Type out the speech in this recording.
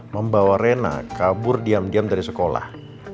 membawa rena kabur diam diam dari sekolah